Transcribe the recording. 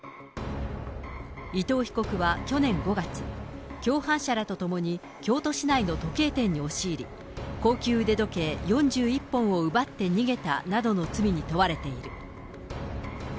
伊藤被告は去年５月、共犯者らと共に京都市内の時計店に押し入り、高級腕時計４１本を奪って逃げたなどの罪に問われている。